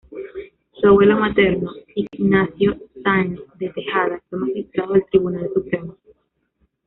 Su abuelo materno Ignacio Sáenz de Tejada, fue Magistrado del Tribunal Supremo.